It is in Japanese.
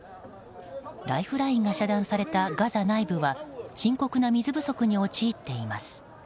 ライフラインが遮断されたガザ内部は深刻な水不足に陥っています。